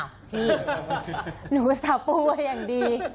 อ้าวนี่หนูสะปูย์อย่างดี